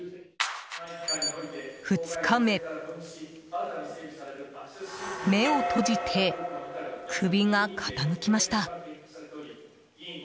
２日目、目を閉じて首が傾きました。